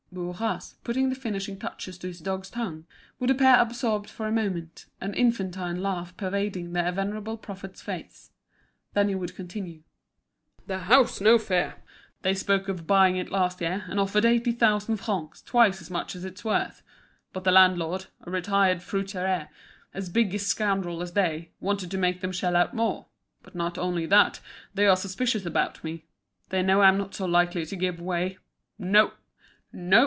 Bourras, putting the finishing touches to his dog's tongue, would appear absorbed for a moment, an infantine laugh pervading his venerable prophet's face. Then he would continue: "The house, no fear! They spoke of buying it last year, and offered eighty thousand francs, twice as much as it's worth. But the landlord, a retired fruiterer, as big a scoundrel as they, wanted to make them shell out more. But not only that, they are suspicious about me; they know I'm not so likely to give way. No! no!